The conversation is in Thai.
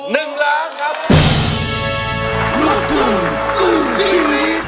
ลูกร้านสู้ชีวิต